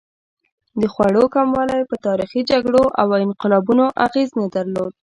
د خوړو کموالی په تاریخي جګړو او انقلابونو اغېز نه درلود.